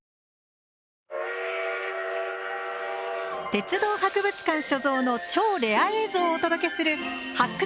鉄道博物館所蔵の超レア映像をお届けする「発掘！